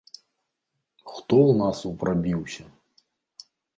Хто ў нас у прабіўся?